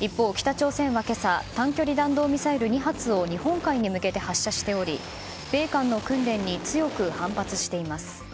一方、北朝鮮は今朝短距離弾道ミサイル２発を日本海に向かて発射しており米韓の訓練に強く反発しています。